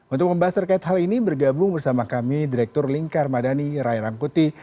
untuk membahas terkait hal ini bergabung bersama kami direktur lingkar madani rai rangkuti